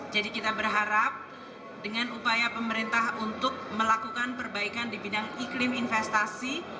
jadi kita berharap dengan upaya pemerintah untuk melakukan perbaikan di bidang iklim investasi